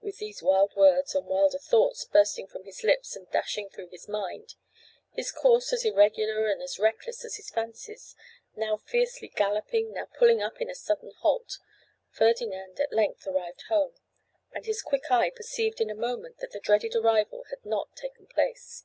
With these wild words and wilder thoughts bursting from his lips and dashing through his mind; his course as irregular and as reckless as his fancies; now fiercely galloping, now pulling up into a sudden halt, Ferdinand at length arrived home; and his quick eye perceived in a moment that the dreaded arrival had not taken place.